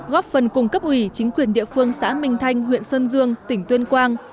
góp phần cung cấp ủy chính quyền địa phương xã minh thanh huyện sơn dương tỉnh tuyên quang